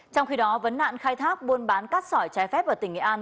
trong khi đó vấn nạn khai thác buôn bán cát sỏi trái phép ở tỉnh nghệ an